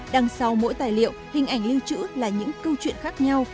đằng sau mỗi tài liệu hình ảnh lưu trữ là những câu chuyện khác nhau